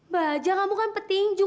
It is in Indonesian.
bajak kamu kan peting juga